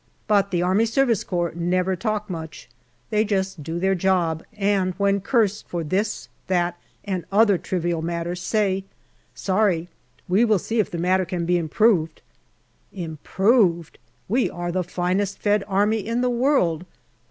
But the A.S.C. never talk much ; they just do their job, and when cursed for this, that, and the other trivial matter, say, "Sorry; we will see if the matter can be improved." " Improved !" We 132 GALLIPOLI DIARY are the finest fed army in the world.